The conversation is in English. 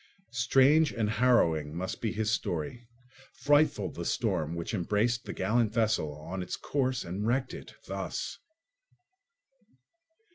Strange and harrowing must be his story, frightful the storm which embraced the gallant vessel on its course and wrecked it—thus!